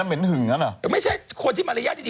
เหม็นมากเลยพี่มัสกิน